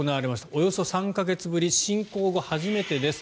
およそ３か月ぶり侵攻後初めてです。